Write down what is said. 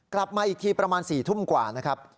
กลับมาอีกทีประมาณ๔ทุ่มกว่านะครับ